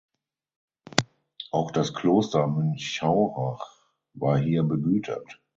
Auch das Kloster Münchaurach war hier begütert.